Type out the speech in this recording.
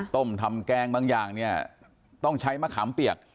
ต้มทำแกงบางอย่างเนี่ยต้องใช้มะขามเปียก